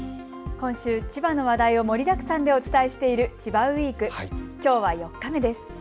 今週、千葉の話題を盛りだくさんでお伝えしている千葉ウイーク、きょうは４日目です。